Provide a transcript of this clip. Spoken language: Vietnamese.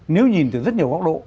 nếu nhìn từ rất nhiều góc độ